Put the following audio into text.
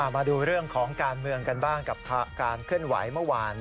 มาดูเรื่องของการเมืองกันบ้างกับการเคลื่อนไหวเมื่อวาน